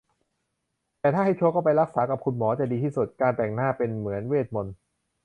แต่ถ้าให้ชัวร์ก็ไปรักษากับคุณหมอจะดีที่สุด การแต่งหน้าเป็นเหมือนเวทมนตร์